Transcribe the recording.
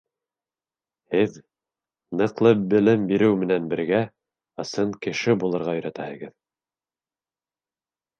Һеҙ, ныҡлы белем биреү менән бергә, ысын кеше булырға өйрәтәһегеҙ.